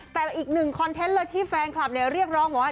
แต่อีกหนึ่งคอนเทนต์เลยที่แฟนคลับเนี่ยเรียกร้องบอกว่า